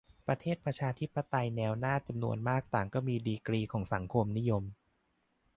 ประเทศประชาธิปไตยแนวหน้าจำนวนมากต่างก็มีดีกรีของสังคมนิยม